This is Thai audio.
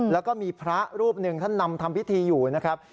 แล้วก็มีพระรูปหนึ่งท่านนำทำพิธีอยู่นะครับ